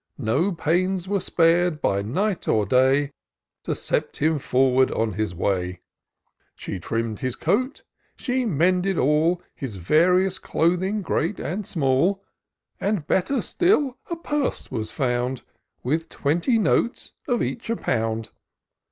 No pains were spar'd by night or day To set him forward on his way : She trimm'd his coat — she mended all His various clothing, great and small ; And better still, a purse was foimd With twenty notes, of each a poimd.